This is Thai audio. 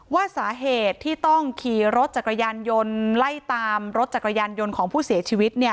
ว่าสาเหตุที่ต้องขี่รถจักรยานยนต์ไล่ตามรถจักรยานยนต์ของผู้เสียชีวิต